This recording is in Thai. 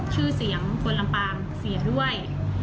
ชื่อเสียงคนลำปางเสียด้วย